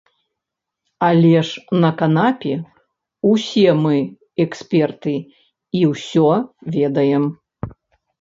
Але ж на канапе ўсе мы эксперты і ўсё ведаем.